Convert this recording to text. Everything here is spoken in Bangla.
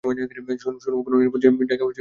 শোনো, কোনো নিরাপদ জায়গা খুঁজে পাচ্ছি না।